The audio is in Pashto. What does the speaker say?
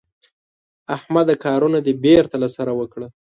احمده کارونه دې بېرته له سره وکړه.